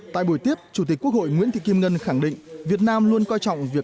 tại buổi tiếp chủ tịch quốc hội nguyễn thị kim ngân khẳng định việt nam luôn coi trọng việc